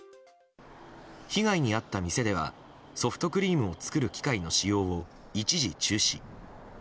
被害に遭った店ではソフトクリームを作る機械の使用を一時中止。